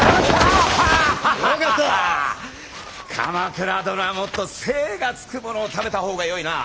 鎌倉殿はもっと精がつくものを食べた方がよいな。